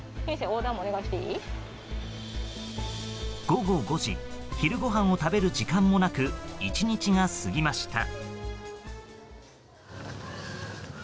午後５時昼ごはんを食べる時間もなく１日が過ぎました。